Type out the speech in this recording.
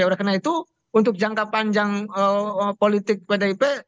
oleh karena itu untuk jangka panjang politik pdip